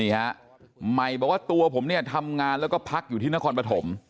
ใหม่บอกว่าตัวผมเนี่ยทำงานแล้วก็พักอยู่ที่นครปฐม